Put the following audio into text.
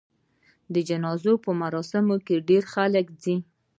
د جنازې په مراسمو کې ډېر خلک ځي.